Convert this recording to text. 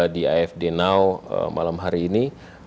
di afd now malam hari ini